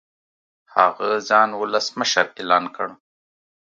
هغه ځان ولسمشر اعلان کړ.